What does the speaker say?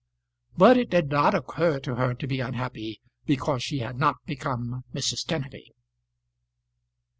But it did not occur to her to be unhappy because she had not become Mrs. Kenneby.